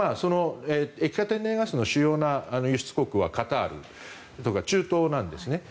液化天然ガスの主要な輸出国はカタールとか中東なんですね。